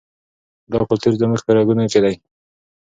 دا کلتور زموږ په رګونو کې دی.